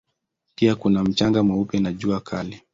Pia kuna mchanga mweupe na jua kali.